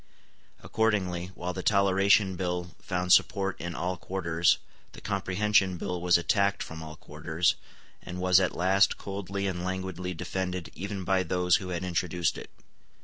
Accordingly, while the Toleration Bill found support in all quarters, the Comprehension Bill was attacked from all quarters, and was at last coldly and languidly defended even by those who had introduced it.